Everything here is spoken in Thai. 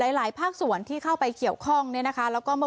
หลายภาคส่วนที่เข้าไปเขียวคล่องเนี้ยนะคะแล้วก็เมื่อ